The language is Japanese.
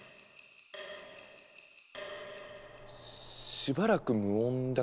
しばらく無音だけど。